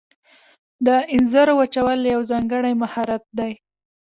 د انځرو وچول یو ځانګړی مهارت دی.